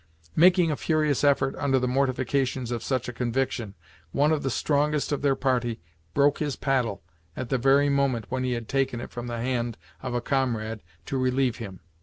Making a furious effort under the mortification of such a conviction, one of the strongest of their party broke his paddle at the very moment when he had taken it from the hand of a comrade to relieve him.